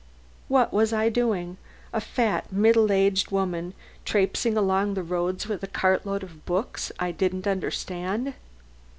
What was I doing a fat, middle aged woman trapesing along the roads with a cartload of books I didn't understand?